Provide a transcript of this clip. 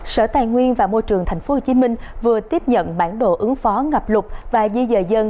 sở tài nguyên và môi trường tp hcm vừa tiếp nhận bản đồ ứng phó ngập lục và di dời dân